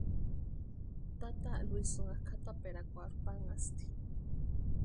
Tata Luisïnha kʼataperakwarhu panhasti.